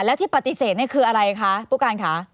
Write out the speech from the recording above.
แล้วที่ปฏิเสธนี่คืออะไรคะผู้การค่ะ